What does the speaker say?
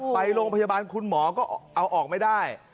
ไปโรงพยาบาลคุณหมอก็เอาออกไม่ได้